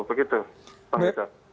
begitu bang irsya